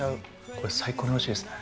これ、最高においしいですね。